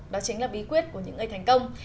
đó chính là bí quyết của những người thành công